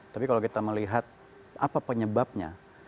tapi kalau kita melihat apa penyebabnya